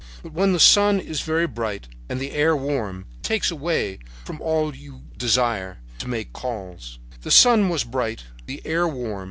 But when the sun is very bright and the air warm, it takes away from you all desire to make calls. "The sun was bright, the air warm.